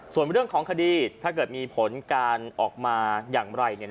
ส่วนเรื่องของคดีถ้าเกิดมีผลการออกมาอย่างไร